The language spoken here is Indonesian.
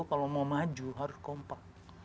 kalau mau maju harus kompak